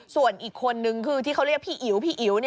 ส่วนอีกคนนึงคือที่เขาเรียกพี่อิ๋วพี่อิ๋ว